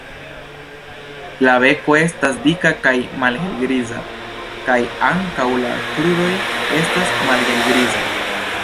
La beko estas dika kaj malhelgriza kaj ankaŭ la kruroj estas malhelgrizaj.